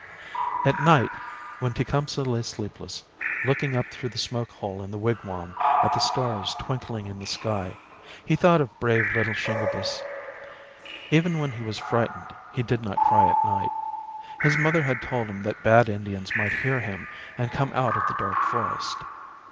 At night when Tecumseh lay sleepless, looking up through the smoke hole in the wigwam at the stars twink ling in the sky, he thought of brave little Shingebiss. Even when he was frightened he did not cry at night. His mother had told him that bad Indians might hear him and come out of the dark forest.